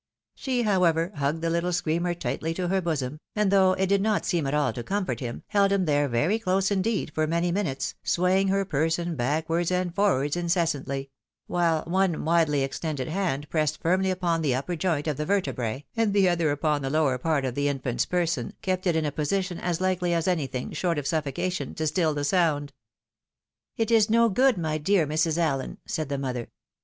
She, however, hugged the Uttle screamer tightly to her bosom, and though it did not seem at all to comfort him, held him there very close indeed for many minutes, swaying her person backwards and forwards in cessantly ; while one widely extended hand pressed firmly upon the upper joint of the vertebrse, and the other upon the lower part of the infant's person, kept it in a position as likely as any thing, short of suffocation, to still the sound. " It is no good, my dear Mrs. AUen," said' the mother.